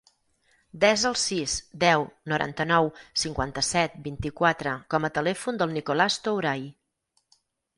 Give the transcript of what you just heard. Desa el sis, deu, noranta-nou, cinquanta-set, vint-i-quatre com a telèfon del Nicolàs Touray.